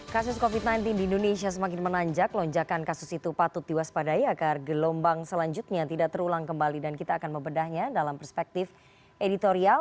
kasus covid sembilan belas di indonesia semakin menanjak lonjakan kasus itu patut diwaspadai agar gelombang selanjutnya tidak terulang kembali dan kita akan membedahnya dalam perspektif editorial